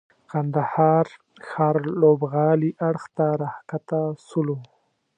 کندهار ښار لوبغالي اړخ ته راکښته سولو.